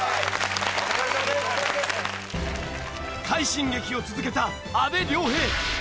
快進撃を続けた阿部亮平。